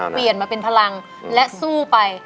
เปลี่ยนมาเป็นพลังและสู้ไป